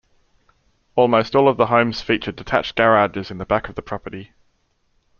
Almost all of the homes feature detached garages in the back of the property.